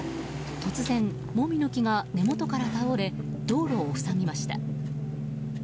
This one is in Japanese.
突然、モミの木が根元から倒れ道路を塞ぎました。